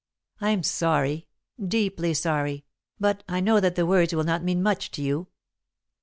I'm sorry, deeply sorry, but I know that the words will not mean much to you.